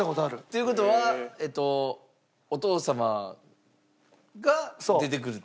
という事はえっとお父様が出てくる？